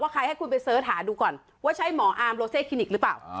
ใครให้คุณไปเสิร์ชหาดูก่อนว่าใช่หมออาร์มโลเซคลินิกหรือเปล่า